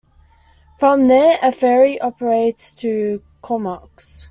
From there, a ferry operates to Comox.